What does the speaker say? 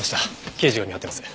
刑事が見張ってます。